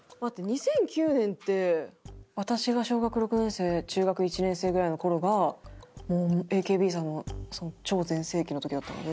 ２００９年って私が小学６年生中学１年生ぐらいの頃がもうＡＫＢさんの超全盛期の時だったので。